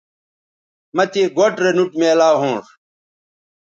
مہ تے گوٹھ رے نوٹ میلاو ھونݜ